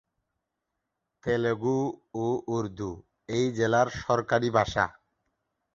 তেলুগু ও উর্দু এই জেলার সরকারি ভাষা।